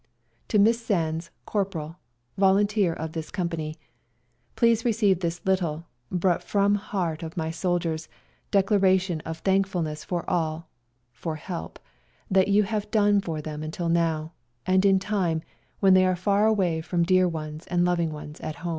" To Miss Sandes, Corporal, volunteer of this Comp.— " Please receive this little, but from heart of my soldiers, declaration of thank fulness for all (for help) that you have done for them until now, and in time, when they are far away from dear ones and loving ones at home.